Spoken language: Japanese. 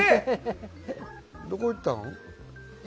どこに行ったの？